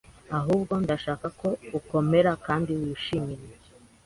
Ahubwo, ndashaka ko ukomera kandi wishimiye